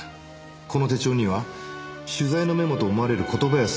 この手帳には取材のメモと思われる言葉や数字が記してあります。